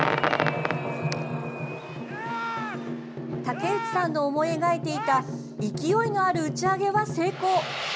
竹内さんの思い描いていた勢いのある打ち上げは成功。